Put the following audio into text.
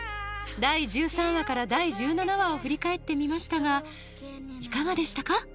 第１３話から第１７話を振り返ってみましたがいかがでしたか？